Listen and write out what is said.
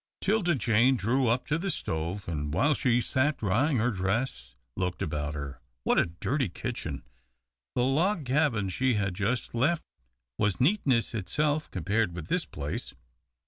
'Tilda Jane drew up to the stove, and, while she sat drying her dress, looked about her. What a dirty kitchen! The log cabin she had just left was neatness itself compared with this place.